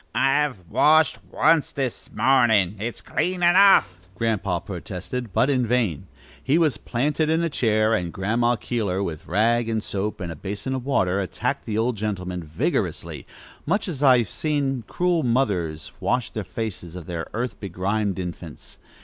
"I've washed once this mornin'. It's clean enough," Grandpa protested, but in vain. He was planted in a chair, and Grandma Keeler, with rag and soap and a basin of water, attacked the old gentleman vigorously, much as I have seen cruel mothers wash the faces of their earth begrimed infants.